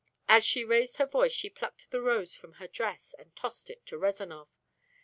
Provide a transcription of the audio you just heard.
As she raised her voice she plucked the rose from her dress and tossed it to Rezanov.